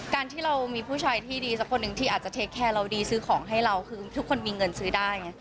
การที่เรามีผู้ชายที่ดีสักคนหนึ่งที่อาจจะเทคแคร์เราดีซื้อของให้เราคือทุกคนมีเงินซื้อได้ไง